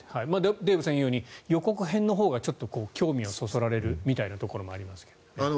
デーブさんが言うように予告編のほうが興味をそそられるみたいなところもありますが。